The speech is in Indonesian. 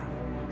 iya kak fanny